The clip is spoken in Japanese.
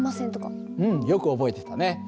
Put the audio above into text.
うんよく覚えてたね。